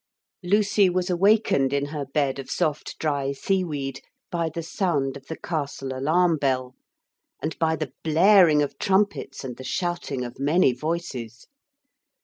Lucy was awakened in her bed of soft dry seaweed by the sound of the castle alarm bell, and by the blaring of trumpets and the shouting of many voices.